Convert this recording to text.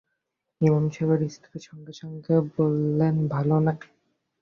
ইমাম সাহেবের স্ত্রী সঙ্গে-সঙ্গে বললেন, ভালো নাই।